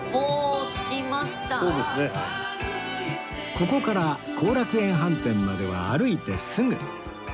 ここから後楽園飯店までは歩いてすぐ